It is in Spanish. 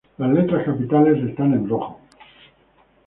Las letras capitales están en rojo.